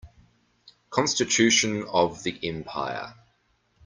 Constitution of the empire.